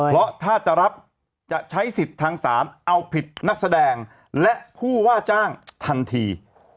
เพราะถ้าจะรับจะใช้สิทธิ์ทางศาลเอาผิดนักแสดงและผู้ว่าจ้างทันที